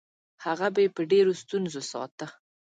هغه به یې په ډېرو ستونزو ساته.